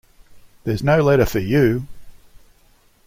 There's no letter for you!